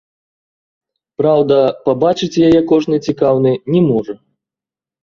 Праўда, пабачыць яе кожны цікаўны не можа.